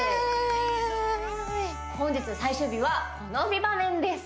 本日最終日はこの美バメンです